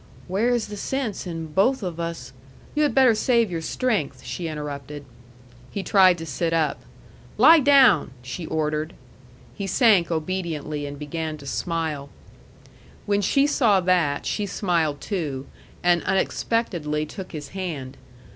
"Where is the sense in both of us " "You had better save your strength," she interrupted. He tried to sit up. "Lie down!" she ordered. He sank obediently, and began to smile. When she saw that, she smiled too, and unexpectedly took his hand.